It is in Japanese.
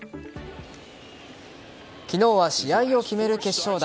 昨日は試合を決める決勝打。